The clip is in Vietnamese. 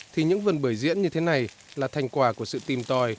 thì những vườn bưởi diễn như thế này là thành quả của sự tìm tòi